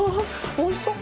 おいしそう！